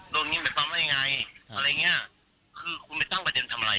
โรงงี้เป็นฟังไว้ไงอะไรอย่างนี้คือคุณไปตั้งประเทศทำอะไร